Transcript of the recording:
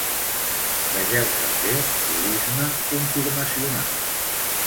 Vegeu també holisme confirmacional.